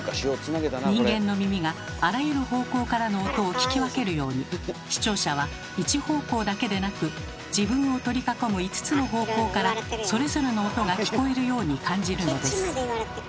人間の耳があらゆる方向からの音を聞き分けるように視聴者は一方向だけでなく自分を取り囲む５つの方向からそれぞれの音が聞こえるように感じるのです。